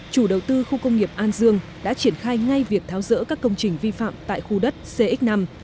chủ đầu tư khu công nghiệp an dương đã triển khai ngay việc tháo rỡ các công trình vi phạm tại khu đất cx năm